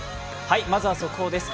まずは速報です。